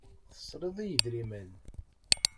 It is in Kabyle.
Tesriḍ i yedrimen.